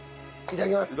いただきます。